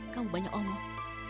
kamu banyak omong